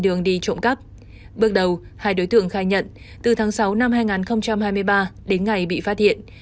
đường đi trộm cắp bước đầu hai đối tượng khai nhận từ tháng sáu năm hai nghìn hai mươi ba đến ngày bị phát hiện